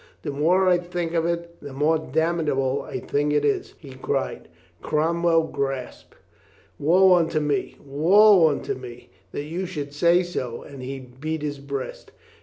"The more I think of it, the more damnable a thing it is," he cried. Cromwell gasped. "Woe unto me, woe unto me, that you should say so !" and he beat his breast.